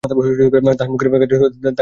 তাহার মুখের কাছে থাকদিদিও চুপ করিয়া গেলেন।